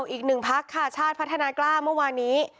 อีกหนึ่งพักค่ะชาติพัฒนากล้าเมื่อวานนี้